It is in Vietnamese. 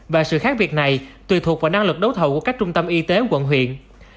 và sự khác biệt này tùy thuộc vào năng lực đấu thầu của các trung tâm y tế quận huyện